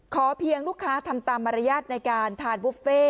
เพียงลูกค้าทำตามมารยาทในการทานบุฟเฟ่